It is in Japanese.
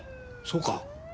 そうか。